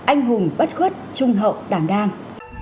anh hùng bất khuất trung hậu đàng đàng